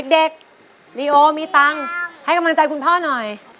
เด็กลีโอมีตังค์ให้กำลังใจคุณพ่อหน่อย